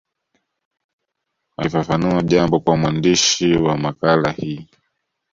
Akifafanua jambo kwa mwandishi wa makala hii